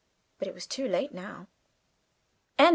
But it was too late now. 10.